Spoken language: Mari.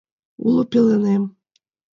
— Уло пеленем